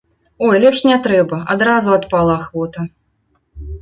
Ой, лепш не трэба, адразу адпала ахвота.